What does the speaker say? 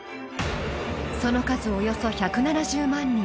その数およそ１７０万人。